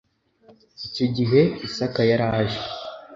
Icyo gihe Isaka yari aje